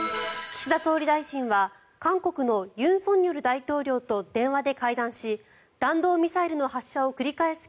岸田総理大臣は韓国の尹錫悦大統領と電話で会談し弾道ミサイルの発射を繰り返す